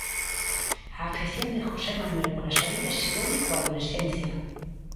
A afección de José Manuel polas abellas chegoulle coa adolescencia.